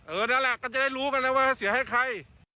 นั่นแหละก็จะได้รู้กันนะว่าให้เสียให้ใคร